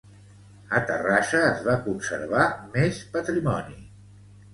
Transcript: A Terrassa es va conservar més patrimoni